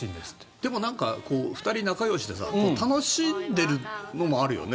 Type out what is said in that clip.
でも、２人仲よしでさ楽しんでるのもあるよね。